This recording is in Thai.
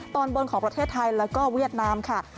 ตอนบนของประเทศไทยแล้วก็เวียดนามค่ะ